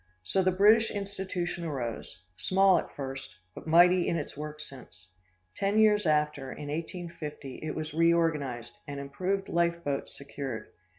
So the British institution arose, small at first, but mighty in its work since. Ten years after, in 1850, it was reorganized, and improved life boats secured.